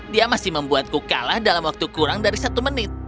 dia masih membuatku kalah dalam waktu kurang dari satu menit